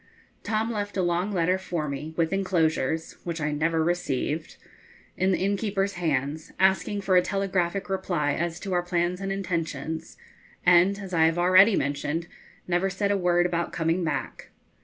Tom left a long letter for me, with enclosures (which I never received), in the innkeeper's hands, asking for a telegraphic reply as to our plans and intentions, and, as I have already mentioned, never said a word about coming back.